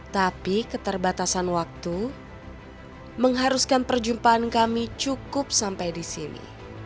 tapi keterbatasan waktu mengharuskan perjumpaan kami cukup sampai di sini